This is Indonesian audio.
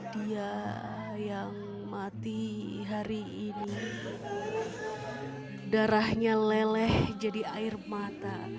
dia yang mati hari ini darahnya leleh jadi air mata